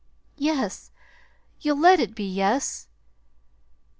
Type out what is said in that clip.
"Yes you'll let it be 'Yes'!"